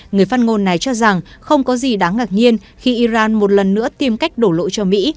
người phát ngôn này cho rằng không có gì đáng ngạc nhiên khi iran một lần nữa tìm cách đổ lỗi cho mỹ